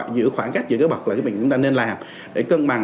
giữ khoảng cách giữa cái bậc là cái mình chúng ta nên làm để cân bằng